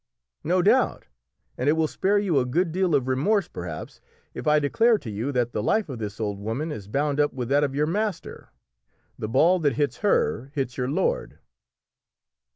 "No doubt, and it will spare you a good deal of remorse perhaps if I declare to you that the life of this old woman is bound up with that of your master. The ball that hits her hits your lord."